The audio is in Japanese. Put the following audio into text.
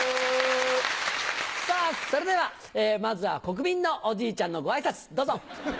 さぁそれではまずは国民のおじいちゃんのご挨拶どうぞ。